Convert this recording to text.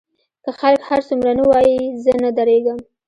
که خلک هر څومره نه ووايي زه نه درېږم.